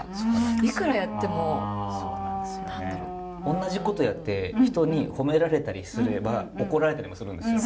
同じことやって人に褒められたりすれば怒られたりもするんですよ。